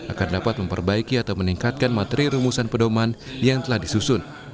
agar dapat memperbaiki atau meningkatkan materi rumusan pedoman yang telah disusun